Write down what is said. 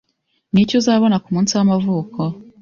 Niki uzabona kumunsi w'amavuko?